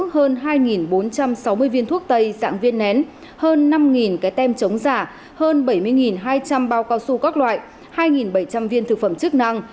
hơn hai bốn trăm sáu mươi viên thuốc tây dạng viên nén hơn năm cái tem chống giả hơn bảy mươi hai trăm linh bao cao su các loại hai bảy trăm linh viên thực phẩm chức năng